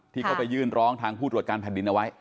ที่เขาไปยื่นร้องทางผู้ตรวจการแผ่นดินเอาไว้